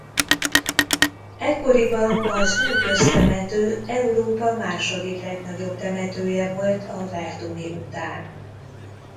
Ekkoriban az Új köztemető Európa második legnagyobb temetője volt a verduni után.